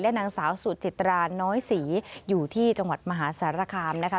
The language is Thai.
นางสาวสุจิตราน้อยศรีอยู่ที่จังหวัดมหาสารคามนะคะ